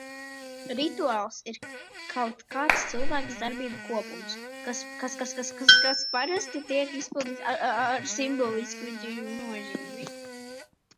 Rituāls ir kaut kāds cilvēku darbību kopums, kas parasti tiek izpildīts ar simbolisku nozīmi.